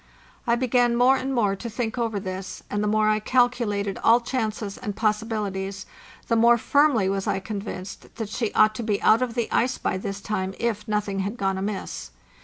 I began more and more to think over this, and the more I calculated all chances and possibili ties, the more firmly was I convinced that she ought to be out of the ice by this time if nothing had gone amiss.